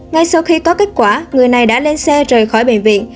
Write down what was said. ngay sau khi có kết quả người này đã lên xe rời khỏi bệnh viện